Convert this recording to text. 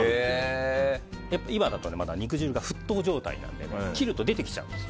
今だと肉汁が沸騰状態なので切ると出てきちゃうんです。